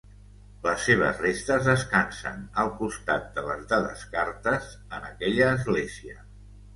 Les seves restes descansen al costat de les de Descartes en aquella església.